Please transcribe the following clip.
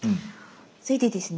そいでですね